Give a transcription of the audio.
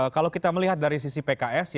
kalau kita melihat dari sisi pks